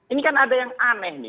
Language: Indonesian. ini kan ada yang aneh nih